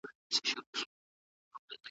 استاد د ليکني کومې برخي سموي؟